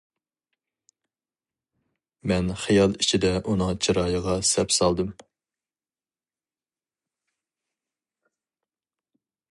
مەن خىيال ئىچىدە ئۇنىڭ چىرايىغا سەپسالدىم.